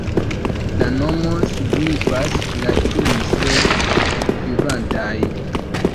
La nomo signifas "la dise vivantaj".